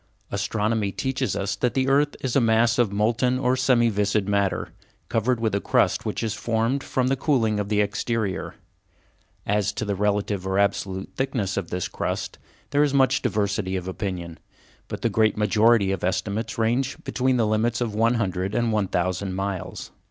Astronomy teaches us that the earth is a mass of molten or semi viscid matter, covered with a crust which has formed from the cooling of the exterior. As to the relative or absolute thickness of this crust, there is much diversity of opinion, but the great majority of estimates ranges between the limits of one hundred and one thousand miles.